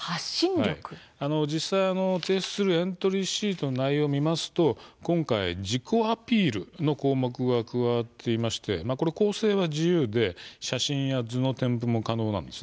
実際、提出するエントリーシートの内容を見ますと今回、自己アピールの項目が加わっていまして構成は自由で写真や図の添付も可能なんです。